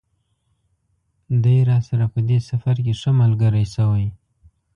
دی راسره په دې سفر کې ښه ملګری شوی.